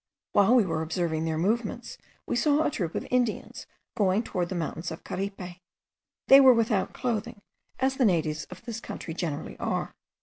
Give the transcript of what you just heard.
While we were observing their movements, we saw a troop of Indians going towards the mountains of Caripe. They were without clothing, as the natives of this country generally are.